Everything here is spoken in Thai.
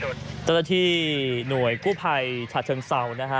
เจ้าหน้าที่หน่วยกู้ภัยฉะเชิงเศร้านะฮะ